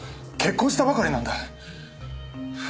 結婚したばかりなんだ。